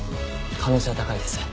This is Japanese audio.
可能性は高いです。